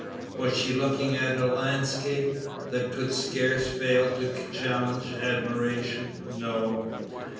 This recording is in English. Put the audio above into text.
Was she looking at a landscape, that could scarce fail to challenge admiration? No.